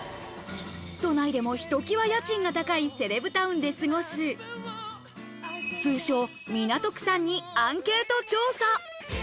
都内でもひときわ家賃が高いセレブタウンで過ごす、通称・港区さんにアンケート調査。